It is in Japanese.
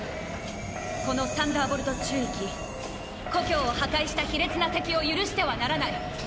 このサンダーボルト宙域故郷を破壊した卑劣な敵を許してはならない。